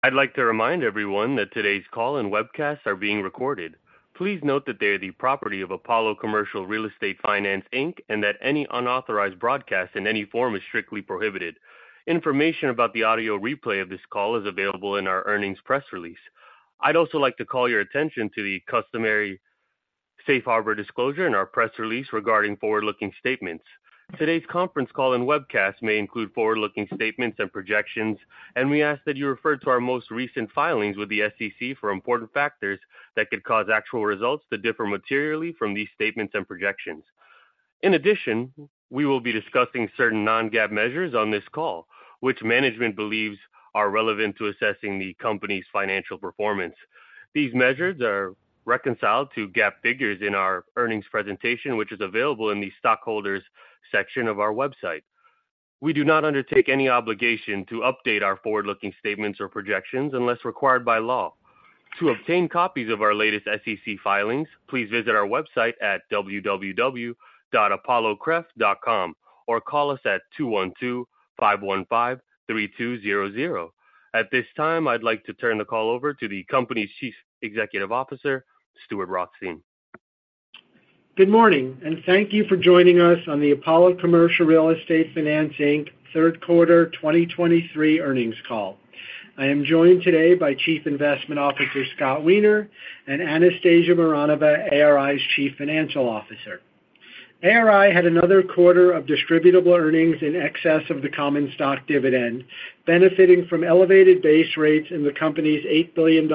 I'd like to remind everyone that today's call and webcast are being recorded. Please note that they are the property of Apollo Commercial Real Estate Finance, Inc., and that any unauthorized broadcast in any form is strictly prohibited. Information about the audio replay of this call is available in our earnings press release. I'd also like to call your attention to the customary Safe Harbor disclosure in our press release regarding forward-looking statements. Today's conference call and webcast may include forward-looking statements and projections, and we ask that you refer to our most recent filings with the SEC for important factors that could cause actual results to differ materially from these statements and projections. In addition, we will be discussing certain non-GAAP measures on this call, which management believes are relevant to assessing the company's financial performance. These measures are reconciled to GAAP figures in our earnings presentation, which is available in the Stockholders section of our website. We do not undertake any obligation to update our forward-looking statements or projections unless required by law. To obtain copies of our latest SEC filings, please visit our website at www.apollocref.com or call us at 212-515-3200. At this time, I'd like to turn the call over to the company's Chief Executive Officer, Stuart Rothstein. Good morning, and thank you for joining us on the Apollo Commercial Real Estate Finance, Inc. third quarter 2023 earnings call. I am joined today by Chief Investment Officer, Scott Weiner, and Anastasia Mironova, ARI's Chief Financial Officer. ARI had another quarter of distributable earnings in excess of the common stock dividend, benefiting from elevated base rates in the company's $8 billion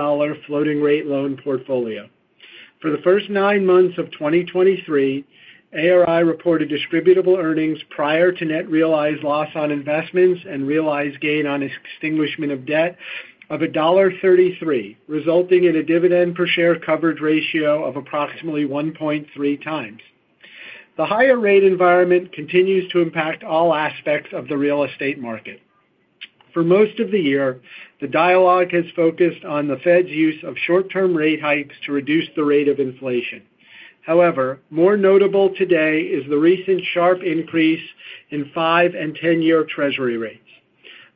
floating rate loan portfolio. For the first nine months of 2023, ARI reported distributable earnings prior to net realized loss on investments and realized gain on extinguishment of debt of $1.33, resulting in a dividend per share coverage ratio of approximately 1.3 times. The higher rate environment continues to impact all aspects of the real estate market. For most of the year, the dialogue has focused on the Fed's use of short-term rate hikes to reduce the rate of inflation. However, more notable today is the recent sharp increase in five-year and ten-year Treasury rates.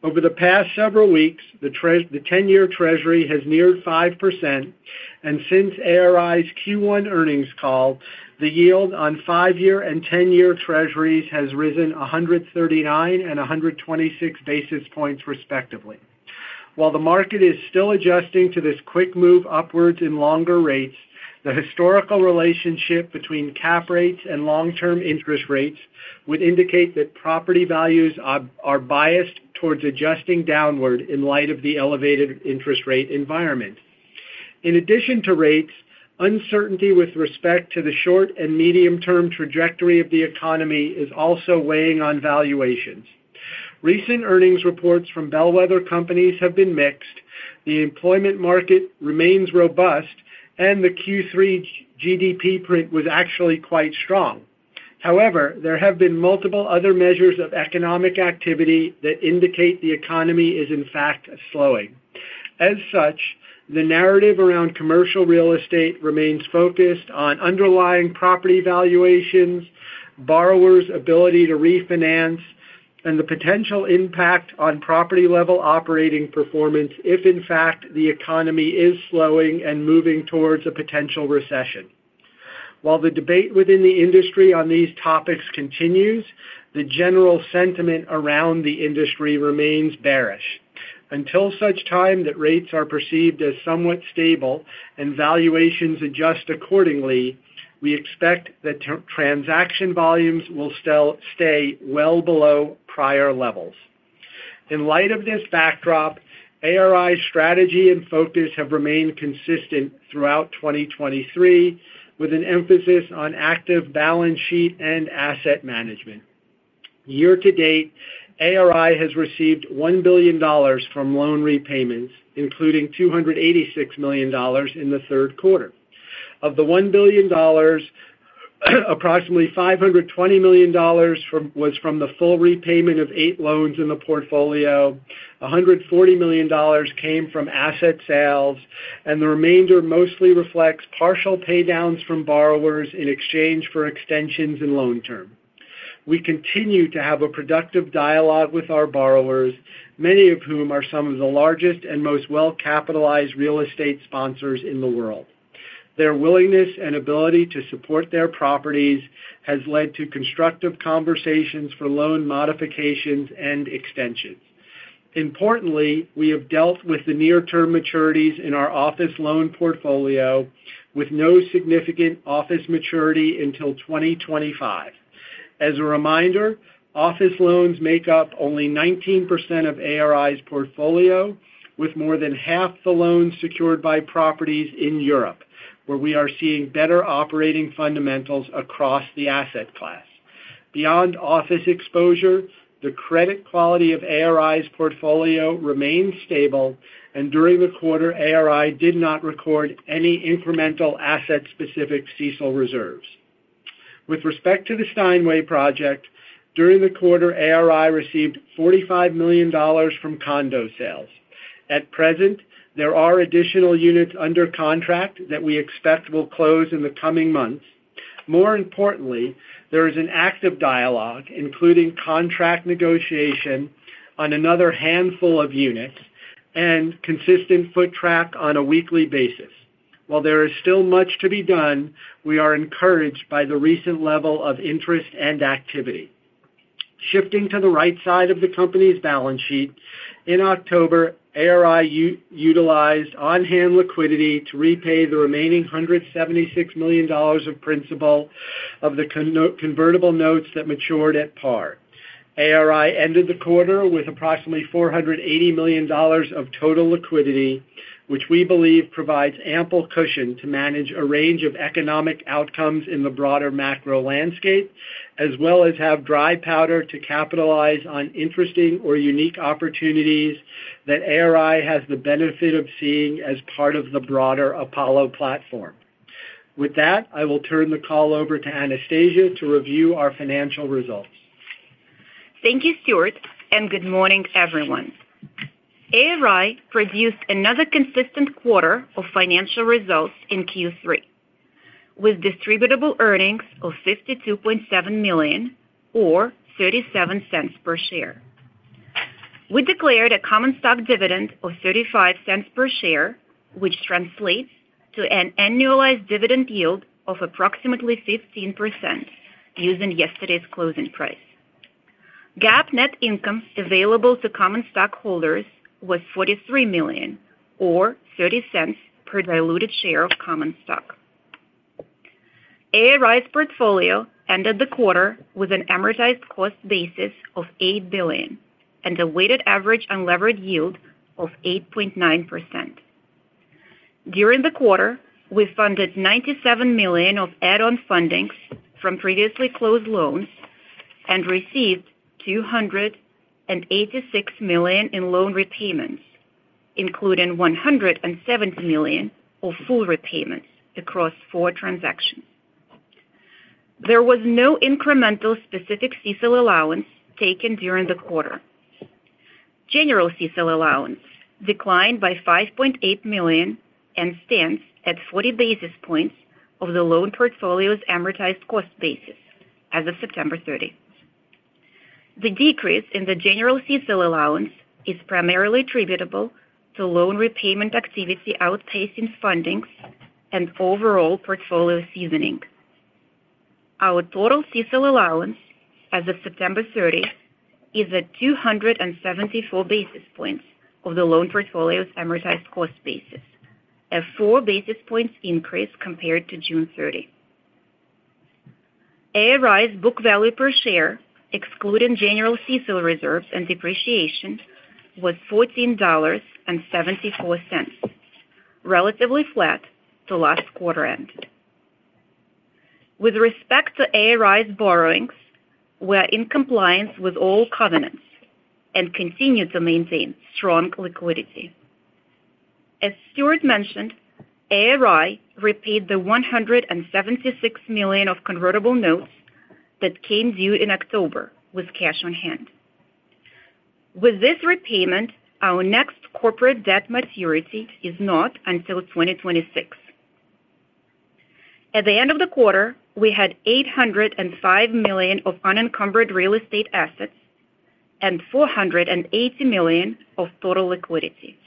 Over the past several weeks, the ten-year Treasury has neared 5%, and since ARI's Q1 earnings call, the yield on five-year and ten-year Treasuries has risen 139 and 126 basis points, respectively. While the market is still adjusting to this quick move upwards in longer rates, the historical relationship between cap rates and long-term interest rates would indicate that property values are biased towards adjusting downward in light of the elevated interest rate environment. In addition to rates, uncertainty with respect to the short and medium-term trajectory of the economy is also weighing on valuations. Recent earnings reports from bellwether companies have been mixed. The employment market remains robust, and the Q3 GDP print was actually quite strong. However, there have been multiple other measures of economic activity that indicate the economy is, in fact, slowing. As such, the narrative around commercial real estate remains focused on underlying property valuations, borrowers' ability to refinance, and the potential impact on property-level operating performance, if, in fact, the economy is slowing and moving towards a potential recession. While the debate within the industry on these topics continues, the general sentiment around the industry remains bearish. Until such time that rates are perceived as somewhat stable and valuations adjust accordingly, we expect that transaction volumes will still stay well below prior levels. In light of this backdrop, ARI's strategy and focus have remained consistent throughout 2023, with an emphasis on active balance sheet and asset management. Year to date, ARI has received $1 billion from loan repayments, including $286 million in the third quarter. Of the $1 billion, approximately $520 million was from the full repayment of 8 loans in the portfolio, $140 million came from asset sales, and the remainder mostly reflects partial paydowns from borrowers in exchange for extensions in loan term. We continue to have a productive dialogue with our borrowers, many of whom are some of the largest and most well-capitalized real estate sponsors in the world. Their willingness and ability to support their properties has led to constructive conversations for loan modifications and extensions. Importantly, we have dealt with the near-term maturities in our office loan portfolio with no significant office maturity until 2025. As a reminder, office loans make up only 19% of ARI's portfolio, with more than half the loans secured by properties in Europe, where we are seeing better operating fundamentals across the asset class. Beyond office exposure, the credit quality of ARI's portfolio remains stable, and during the quarter, ARI did not record any incremental asset-specific CECL reserves. With respect to the Steinway Project, during the quarter, ARI received $45 million from condo sales. At present, there are additional units under contract that we expect will close in the coming months. More importantly, there is an active dialogue, including contract negotiation on another handful of units and consistent foot traffic on a weekly basis. While there is still much to be done, we are encouraged by the recent level of interest and activity. Shifting to the right side of the company's balance sheet, in October, ARI utilized on-hand liquidity to repay the remaining $176 million of principal of the convertible notes that matured at par. ARI ended the quarter with approximately $480 million of total liquidity, which we believe provides ample cushion to manage a range of economic outcomes in the broader macro landscape, as well as have dry powder to capitalize on interesting or unique opportunities that ARI has the benefit of seeing as part of the broader Apollo platform. With that, I will turn the call over to Anastasia to review our financial results. Thank you, Stuart, and good morning, everyone. ARI produced another consistent quarter of financial results in Q3, with distributable earnings of $52.7 million, or $0.37 per share. We declared a common stock dividend of $0.35 per share, which translates to an annualized dividend yield of approximately 15%, using yesterday's closing price. GAAP net income available to common stockholders was $43 million, or $0.30 per diluted share of common stock. ARI's portfolio ended the quarter with an amortized cost basis of $8 billion and a weighted average unlevered yield of 8.9%. During the quarter, we funded $97 million of add-on fundings from previously closed loans and received $286 million in loan repayments, including $170 million of full repayments across 4 transactions. There was no incremental specific CECL allowance taken during the quarter. General CECL allowance declined by $5.8 million and stands at 40 basis points of the loan portfolio's amortized cost basis as of September 30. The decrease in the general CECL allowance is primarily attributable to loan repayment activity outpacing fundings and overall portfolio seasoning. Our total CECL allowance as of September 30 is at 274 basis points of the loan portfolio's amortized cost basis, a 4 basis points increase compared to June 30. ARI's book value per share, excluding general CECL reserves and depreciation, was $14.74, relatively flat to last quarter end. With respect to ARI's borrowings, we're in compliance with all covenants and continue to maintain strong liquidity. As Stuart mentioned, ARI repaid the $176 million of convertible notes that came due in October with cash on hand. With this repayment, our next corporate debt maturity is not until 2026. At the end of the quarter, we had $805 million of unencumbered real estate assets and $480 million of total liquidity.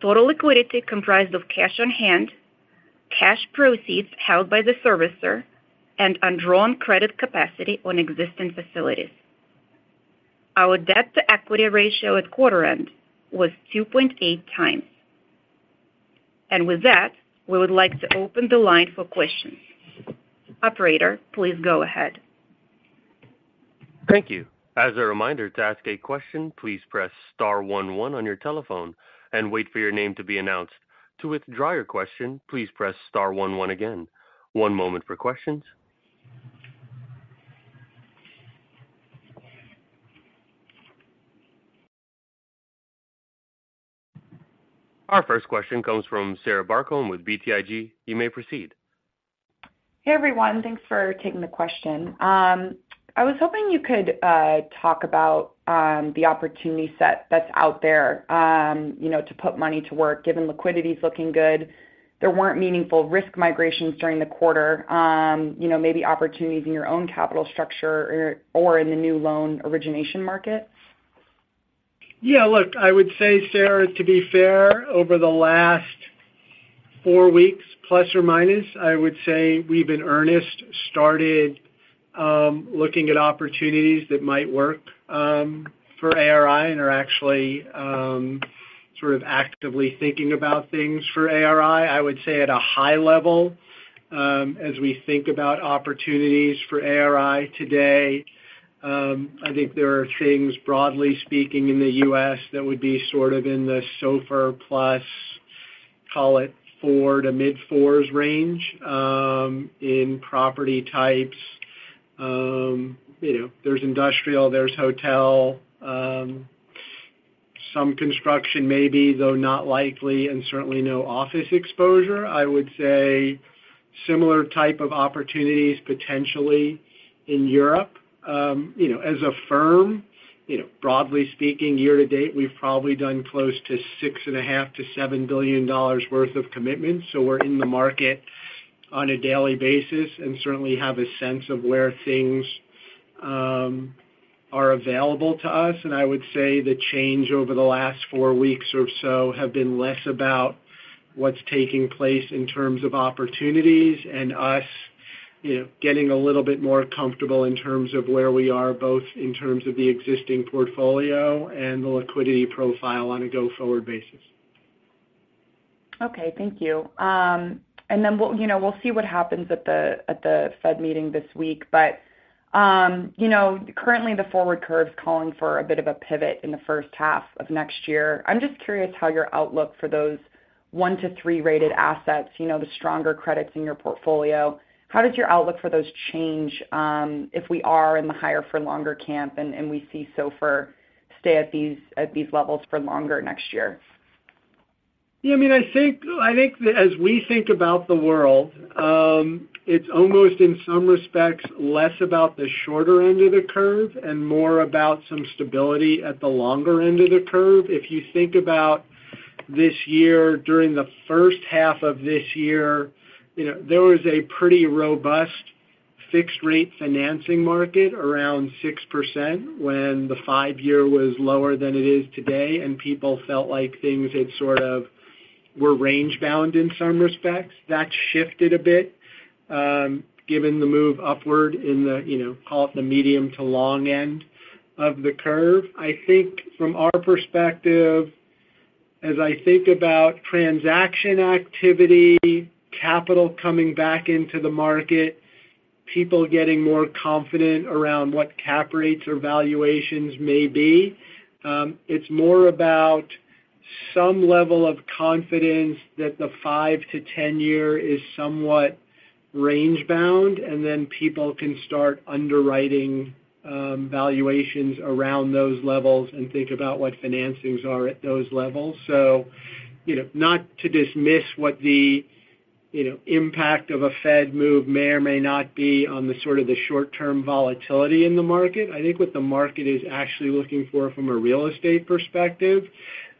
Total liquidity comprised of cash on hand, cash proceeds held by the servicer, and undrawn credit capacity on existing facilities. Our debt-to-equity ratio at quarter end was 2.8 times. And with that, we would like to open the line for questions. Operator, please go ahead. Thank you. As a reminder, to ask a question, please press star one one on your telephone and wait for your name to be announced. To withdraw your question, please press star one one again. One moment for questions. Our first question comes from Sarah Barcomb with BTIG. You may proceed. Hey, everyone. Thanks for taking the question. I was hoping you could talk about the opportunity set that's out there, you know, to put money to work, given liquidity is looking good. There weren't meaningful risk migrations during the quarter, you know, maybe opportunities in your own capital structure or, or in the new loan origination markets? Yeah, look, I would say, Sarah, to be fair, over the last four weeks, ±, I would say we've in earnest started looking at opportunities that might work for ARI and are actually sort of actively thinking about things for ARI. I would say at a high level, as we think about opportunities for ARI today, I think there are things, broadly speaking, in the U.S. that would be sort of in the SOFR + 4 to mid-4s range in property types. You know, there's industrial, there's hotel, some construction maybe, though not likely, and certainly no office exposure. I would say similar type of opportunities potentially in Europe. You know, as a firm. You know, broadly speaking, year-to-date, we've probably done close to $6.5 billion-$7 billion worth of commitments. So we're in the market on a daily basis and certainly have a sense of where things are available to us. And I would say the change over the last four weeks or so have been less about what's taking place in terms of opportunities and us, you know, getting a little bit more comfortable in terms of where we are, both in terms of the existing portfolio and the liquidity profile on a go-forward basis. Okay, thank you. And then, we'll, you know, we'll see what happens at the Fed meeting this week. But, you know, currently, the forward curve is calling for a bit of a pivot in the first half of next year. I'm just curious how your outlook for those 1-3 rated assets, you know, the stronger credits in your portfolio. How does your outlook for those change, if we are in the higher for longer camp and we see SOFR stay at these levels for longer next year? Yeah, I mean, I think, I think as we think about the world, it's almost in some respects, less about the shorter end of the curve and more about some stability at the longer end of the curve. If you think about this year, during the first half of this year, you know, there was a pretty robust fixed rate financing market around 6% when the five-year was lower than it is today, and people felt like things had sort of were range-bound in some respects. That shifted a bit, given the move upward in the, you know, call it the medium to long end of the curve. I think from our perspective, as I think about transaction activity, capital coming back into the market, people getting more confident around what cap rates or valuations may be, it's more about some level of confidence that the 5- to 10-year is somewhat range-bound, and then people can start underwriting valuations around those levels and think about what financings are at those levels. So, you know, not to dismiss what the, you know, impact of a Fed move may or may not be on the sort of the short-term volatility in the market. I think what the market is actually looking for from a real estate perspective,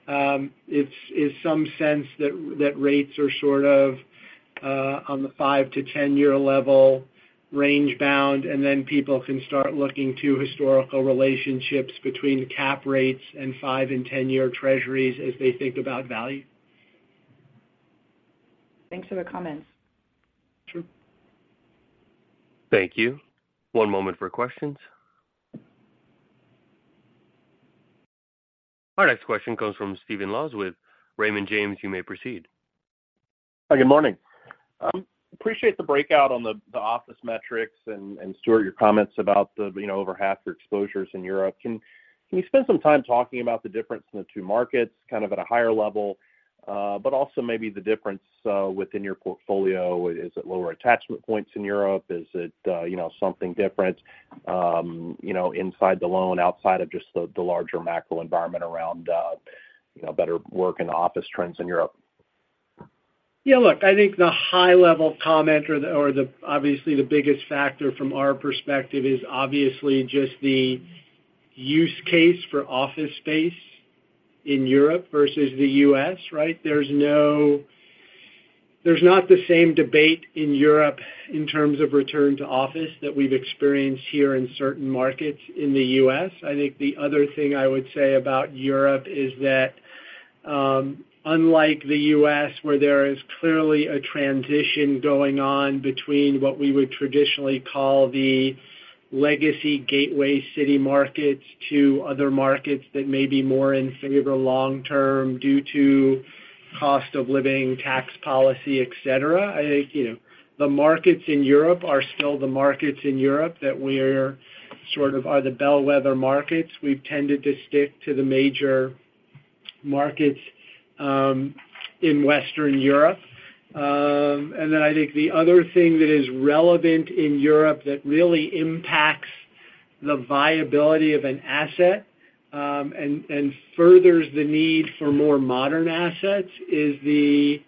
is some sense that rates are sort of on the 5- to 10-year level, range-bound, and then people can start looking to historical relationships between cap rates and 5 and 10 year treasuries as they think about value. Thanks for the comments. Sure. Thank you. One moment for questions. Our next question comes from Stephen Laws with Raymond James. You may proceed. Hi, good morning. Appreciate the breakout on the office metrics, and Stuart, your comments about the, you know, over half your exposures in Europe. Can you spend some time talking about the difference in the two markets, kind of at a higher level, but also maybe the difference within your portfolio? Is it lower attachment points in Europe? Is it, you know, something different, you know, inside the loan, outside of just the larger macro environment around, you know, better work and office trends in Europe? Yeah, look, I think the high-level comment or the obviously the biggest factor from our perspective is obviously just the use case for office space in Europe versus the U.S., right? There's not the same debate in Europe in terms of return to office that we've experienced here in certain markets in the U.S. I think the other thing I would say about Europe is that, unlike the U.S., where there is clearly a transition going on between what we would traditionally call the legacy gateway city markets to other markets that may be more in favor long term due to cost of living, tax policy, et cetera. I think, you know, the markets in Europe are still the markets in Europe that we're sort of are the bellwether markets. We've tended to stick to the major markets in Western Europe. And then I think the other thing that is relevant in Europe that really impacts the viability of an asset, and furthers the need for more modern assets, is the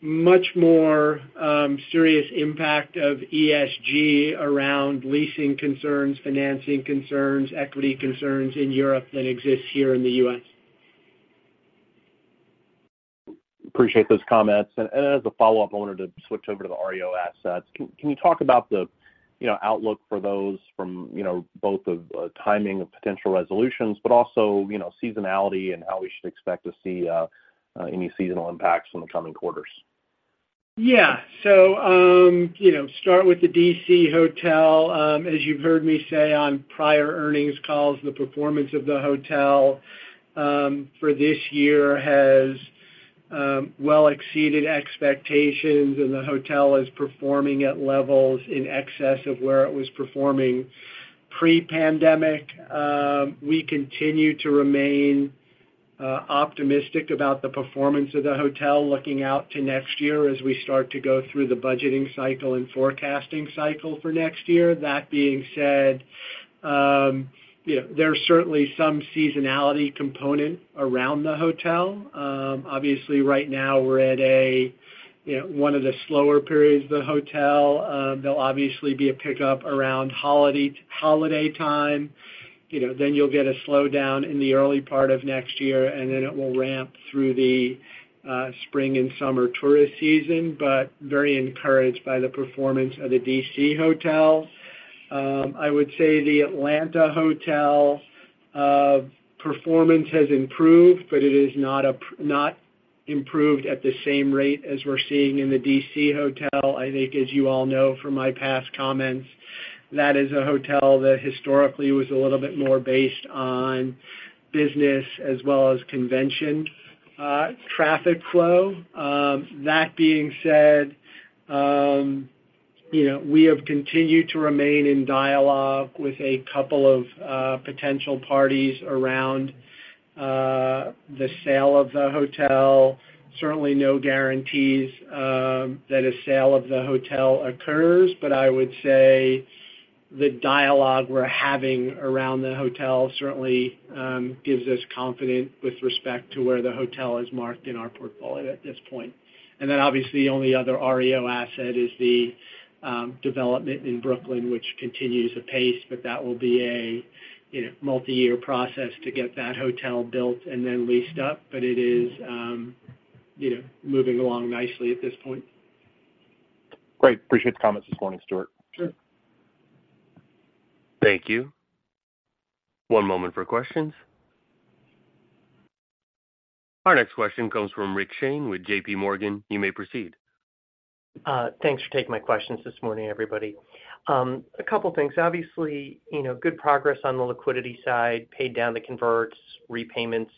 much more serious impact of ESG around leasing concerns, financing concerns, equity concerns in Europe than exists here in the U.S. Appreciate those comments. And as a follow-up, I wanted to switch over to the REO assets. Can you talk about the, you know, outlook for those from, you know, both the timing of potential resolutions, but also, you know, seasonality and how we should expect to see any seasonal impacts in the coming quarters? Yeah. So, you know, start with the DC hotel. As you've heard me say on prior earnings calls, the performance of the hotel for this year has well exceeded expectations, and the hotel is performing at levels in excess of where it was performing pre-pandemic. We continue to remain optimistic about the performance of the hotel looking out to next year as we start to go through the budgeting cycle and forecasting cycle for next year. That being said, you know, there's certainly some seasonality component around the hotel. Obviously, right now we're at, you know, one of the slower periods of the hotel. There'll obviously be a pickup around holiday, holiday time, you know. Then you'll get a slowdown in the early part of next year, and then it will ramp through the spring and summer tourist season, but very encouraged by the performance of the D.C. hotel. I would say the Atlanta hotel performance has improved, but it is not improved at the same rate as we're seeing in the D.C. hotel. I think, as you all know from my past comments, that is a hotel that historically was a little bit more based on business as well as convention traffic flow. That being said, you know, we have continued to remain in dialogue with a couple of potential parties around the sale of the hotel. Certainly, no guarantees that a sale of the hotel occurs, but I would say the dialogue we're having around the hotel certainly gives us confidence with respect to where the hotel is marked in our portfolio at this point. And then, obviously, the only other REO asset is the development in Brooklyn, which continues apace, but that will be a, you know, multi-year process to get that hotel built and then leased up. But it is, you know, moving along nicely at this point. Great. Appreciate the comments this morning, Stuart. Sure. Thank you. One moment for questions. Our next question comes from Rick Shane with JP Morgan. You may proceed. Thanks for taking my questions this morning, everybody. A couple things. Obviously, you know, good progress on the liquidity side, paid down the converts, repayments,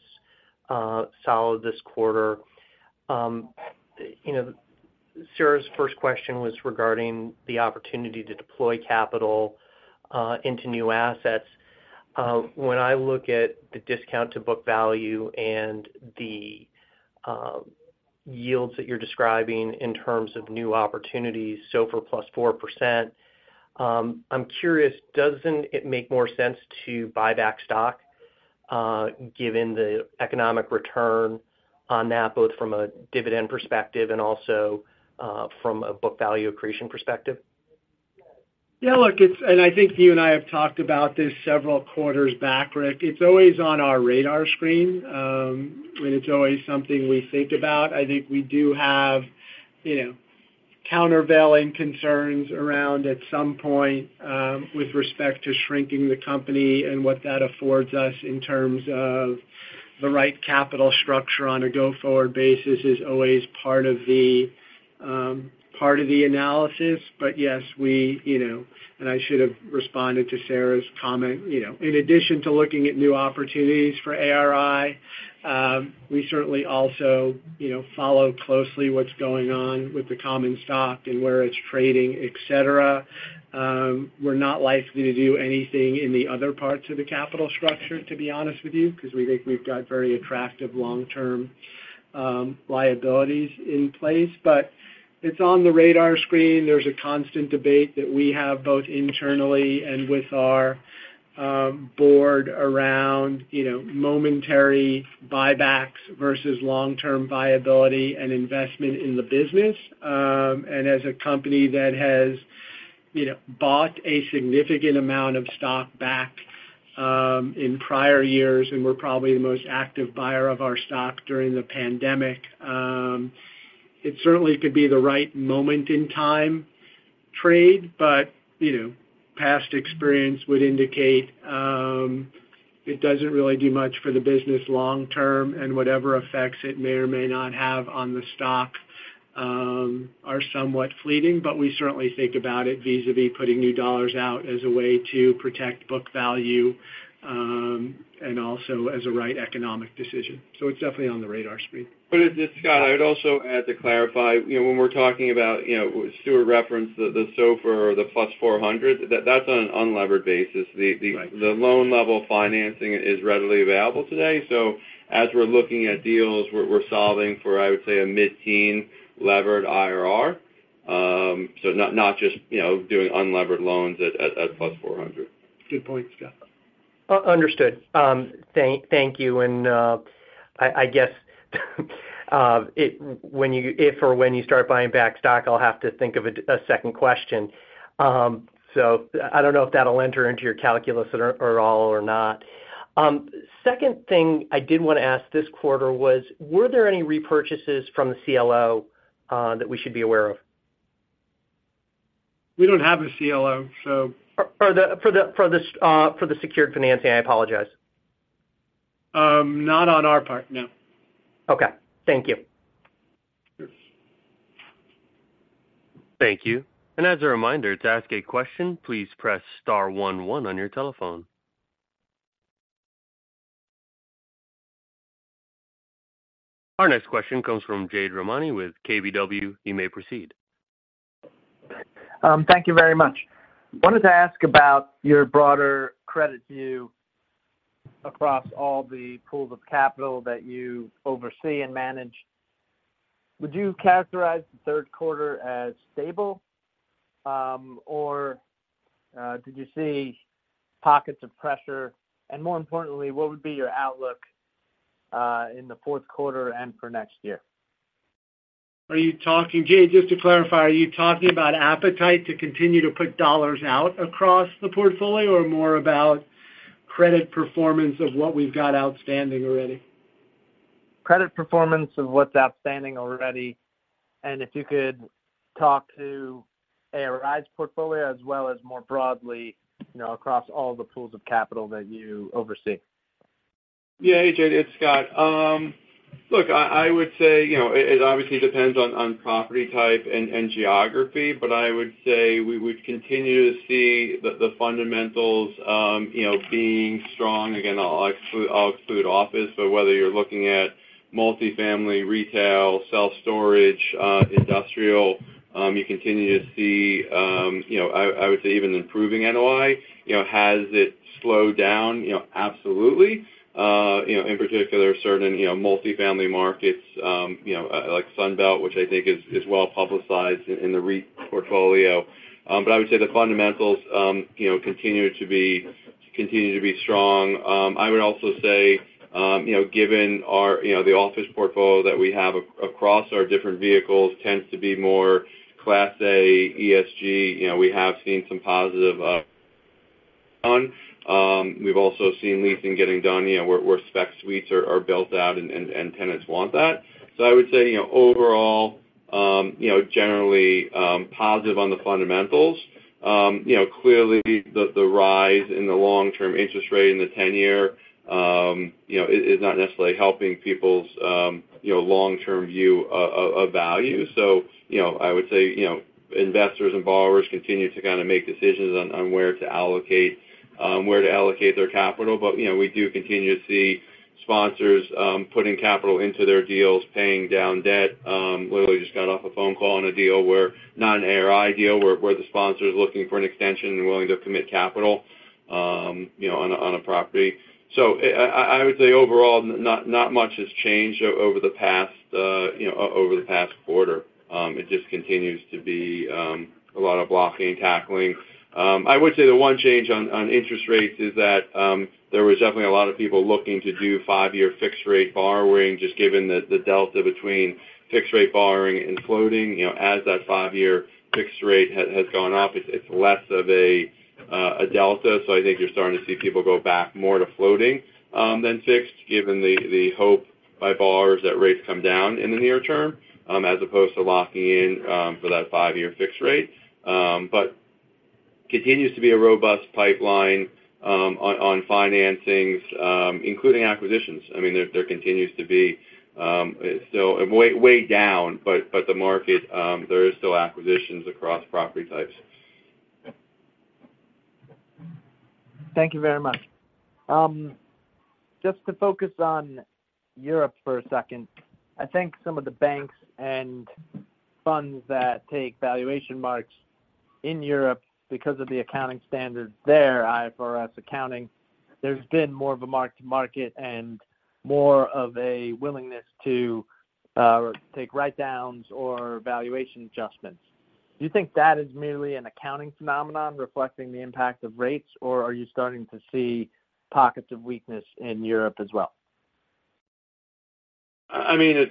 solid this quarter. You know, Sarah's first question was regarding the opportunity to deploy capital, into new assets. When I look at the discount to book value and the, yields that you're describing in terms of new opportunities, SOFR plus 4%, I'm curious, doesn't it make more sense to buy back stock, given the economic return on that, both from a dividend perspective and also, from a book value creation perspective? Yeah, look, it's. I think you and I have talked about this several quarters back, Rick. It's always on our radar screen, and it's always something we think about. I think we do have, you know, countervailing concerns around, at some point, with respect to shrinking the company and what that affords us in terms of the right capital structure on a go-forward basis, is always part of the analysis. But yes, we, you know. I should have responded to Sarah's comment, you know. In addition to looking at new opportunities for ARI, we certainly also, you know, follow closely what's going on with the common stock and where it's trading, et cetera. We're not likely to do anything in the other parts of the capital structure, to be honest with you, because we think we've got very attractive long-term, liabilities in place. But it's on the radar screen. There's a constant debate that we have, both internally and with our, board, around, you know, momentary buybacks versus long-term viability and investment in the business. And as a company that has, you know, bought a significant amount of stock back, in prior years, and we're probably the most active buyer of our stock during the pandemic, it certainly could be the right moment in time trade. But, you know, past experience would indicate, it doesn't really do much for the business long term, and whatever effects it may or may not have on the stock, are somewhat fleeting. But we certainly think about it vis-à-vis putting new dollars out as a way to protect book value, and also as a right economic decision. So it's definitely on the radar screen. It's just, Scott, I would also add to clarify, you know, when we're talking about, you know, Stuart referenced the SOFR or the plus 400, that's on an unlevered basis. The loan-level financing is readily available today. So as we're looking at deals, we're solving for, I would say, a mid-teen levered IRR. So not just, you know, doing unlevered loans at plus four hundred. Good point, Scott. Understood. Thank you. I guess, if or when you start buying back stock, I'll have to think of a second question. So I don't know if that'll enter into your calculus at all or not. Second thing I did want to ask this quarter was: Were there any repurchases from the CLO that we should be aware of? We don't have a CLO. For the secured financing, I apologize. Not on our part, no. Okay. Thank you. Sure. Thank you. As a reminder, to ask a question, please press star one, one on your telephone. Our next question comes from Jade Rahmani with KBW. You may proceed. Thank you very much. Wanted to ask about your broader credit view across all the pools of capital that you oversee and manage. Would you characterize the third quarter as stable? Or, did you see pockets of pressure? And more importantly, what would be your outlook in the fourth quarter and for next year? Are you talking, Jay, just to clarify, are you talking about appetite to continue to put dollars out across the portfolio, or more about credit performance of what we've got outstanding already? Credit performance of what's outstanding already, and if you could talk to ARI's portfolio, as well as more broadly, you know, across all the pools of capital that you oversee? Yeah. Hey, Jay, it's Scott. Look, I would say, you know, it obviously depends on property type and geography, but I would say we would continue to see the fundamentals, you know, being strong. Again, I'll exclude office, but whether you're looking at multifamily, retail, self-storage, industrial, you continue to see, you know, I would say even improving NOI. You know, has it slowed down? You know, absolutely. You know, in particular, certain, you know, multifamily markets, you know, like Sunbelt, which I think is well-publicized in the REIT portfolio. But I would say the fundamentals, you know, continue to be strong. I would also say, you know, given our, you know, the office portfolio that we have across our different vehicles tends to be more Class A, ESG. You know, we have seen some positive on. We've also seen leasing getting done, you know, where spec suites are built out and tenants want that. So I would say, you know, overall, you know, generally positive on the fundamentals. You know, clearly, the rise in the long-term interest rate in the ten-year, you know, is not necessarily helping people's, you know, long-term view of value. So, you know, I would say, you know, investors and borrowers continue to kind of make decisions on where to allocate their capital. But, you know, we do continue to see sponsors putting capital into their deals, paying down debt. Literally just got off a phone call on a deal where, not an ARI deal, where the sponsor is looking for an extension and willing to commit capital, you know, on a property. So I would say overall, not much has changed over the past, you know, over the past quarter. It just continues to be a lot of blocking and tackling. I would say the one change on interest rates is that there was definitely a lot of people looking to do five-year fixed rate borrowing, just given the delta between fixed rate borrowing and floating. You know, as that five-year fixed rate has gone up, it's less of a delta, so I think you're starting to see people go back more to floating than fixed, given the hope by borrowers that rates come down in the near term, as opposed to locking in for that five-year fixed rate. But continues to be a robust pipeline on financings, including acquisitions. I mean, there continues to be so and way, way down, but the market there is still acquisitions across property types. Thank you very much. Just to focus on Europe for a second, I think some of the banks and funds that take valuation marks in Europe, because of the accounting standards there, IFRS accounting, there's been more of a mark to market and more of a willingness to take write-downs or valuation adjustments. Do you think that is merely an accounting phenomenon reflecting the impact of rates, or are you starting to see pockets of weakness in Europe as well? I mean,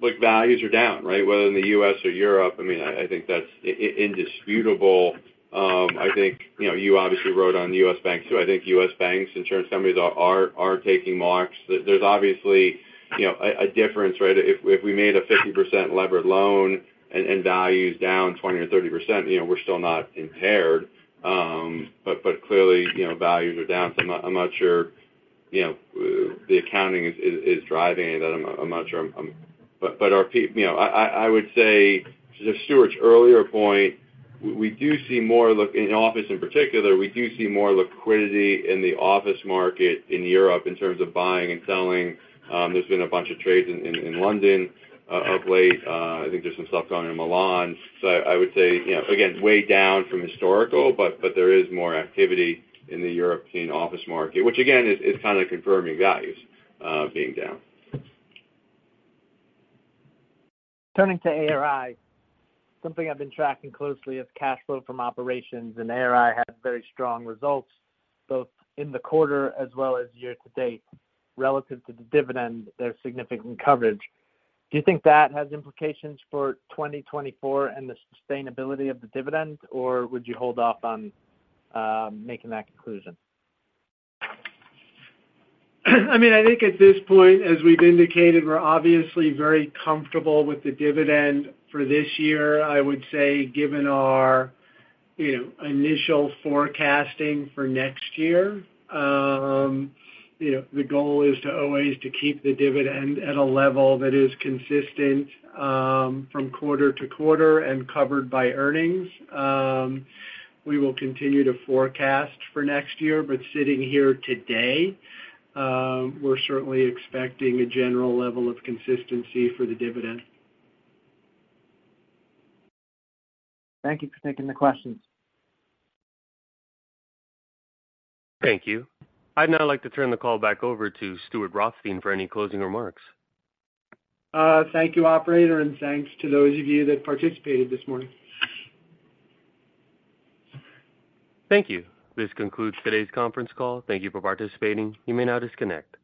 look, values are down, right? Whether in the U.S. or Europe, I mean, I think that's indisputable. I think, you know, you obviously wrote on U.S. banks, too. I think U.S. banks, insurance companies are taking marks. There's obviously, you know, a difference, right? If we made a 50% levered loan and values down 20% or 30%, you know, we're still not impaired. But clearly, you know, values are down, so I'm not sure, you know, the accounting is driving that. I'm not sure. But you know, I would say to Stuart's earlier point, we do see more liquidity in office in particular, we do see more liquidity in the office market in Europe in terms of buying and selling. There's been a bunch of trades in London of late. I think there's some stuff going on in Milan. So I would say, you know, again, way down from historical, but there is more activity in the European office market, which again is kind of confirming values being down. Turning to ARI, something I've been tracking closely is cash flow from operations, and ARI had very strong results, both in the quarter as well as year to date. Relative to the dividend, there's significant coverage. Do you think that has implications for 2024 and the sustainability of the dividend, or would you hold off on making that conclusion? I mean, I think at this point, as we've indicated, we're obviously very comfortable with the dividend for this year. I would say, given our, you know, initial forecasting for next year, you know, the goal is always to keep the dividend at a level that is consistent from quarter to quarter and covered by earnings. We will continue to forecast for next year, but sitting here today, we're certainly expecting a general level of consistency for the dividend. Thank you for taking the questions. Thank you. I'd now like to turn the call back over to Stuart Rothstein for any closing remarks. Thank you, operator, and thanks to those of you that participated this morning. Thank you. This concludes today's conference call. Thank you for participating. You may now disconnect.